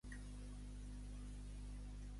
Per a què va anar-li bé la seva defunció?